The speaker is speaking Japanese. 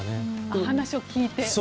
お話を聞いて。